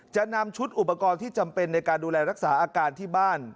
จะนำชุดอุปกรณ์ที่จำเป็นในการดูแลรักษาอาการที่บ้าน